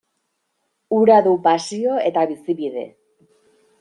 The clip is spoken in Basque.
Hura du pasio eta bizibide.